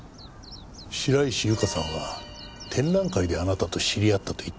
白石ゆかさんは展覧会であなたと知り合ったと言っていましたが。